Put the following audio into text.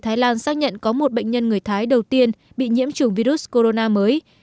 cơ quan y tế thái lan xác nhận có một bệnh nhân người thái đầu tiên bị nhiễm chủng virus corona mới